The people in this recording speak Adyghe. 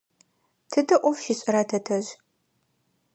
Тыдэ ӏоф щишӏэра тэтэжъ?